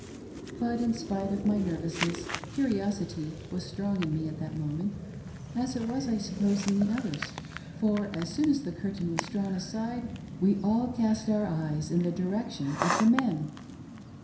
But in spite of my ner vousness, curiosity was strong in me at that moment — as it was, I suppose, in the others ; for, as soon as the curtain was drawn aside, we all cast our eyes in the direction of the men.